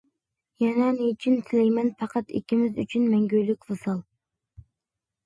يەنە نېچۈن تىلەيمەن پەقەت، ئىككىمىز ئۈچۈن مەڭگۈلۈك ۋىسال.